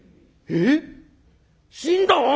「ええ！？死んだ？」。